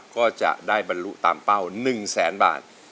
ก็จะได้บรรลุตามเป้า๑แสนบาท